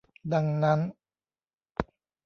ดังนั้น